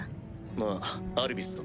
ああアルビス殿。